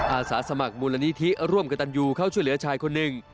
อาสาสมัครมูลนิธิร่วมกับตันยูเข้าช่วยเหลือชายคนหนึ่ง